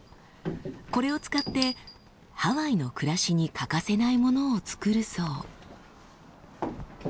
これを使ってハワイの暮らしに欠かせないものを作るそう。